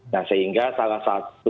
nah sehingga salah satu